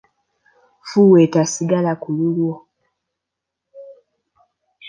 Fuuweta sigala kululwo.